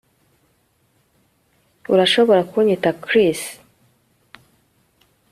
Urashobora kunyita Chris